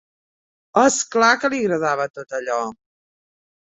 És clar que li agradava tot allò!